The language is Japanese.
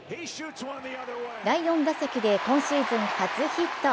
第４打席で今シーズン初ヒット。